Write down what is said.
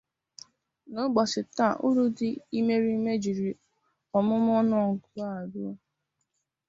Na úbọchị tá, orü di ímérímé jịrị ọmúmú-ónúọgụgụ à rü.